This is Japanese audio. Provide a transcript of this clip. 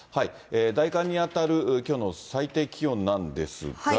大寒に当たるきょうの最低気温なんですが。